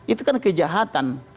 itu kan kejahatan